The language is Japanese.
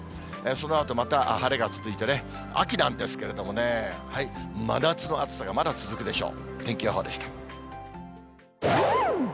そのあとまた晴れが続いてね、秋なんですけれどもね、真夏の暑さがまだ続くでしょう。